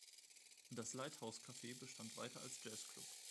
Das Lighthouse Cafe bestand weiter als Jazzclub.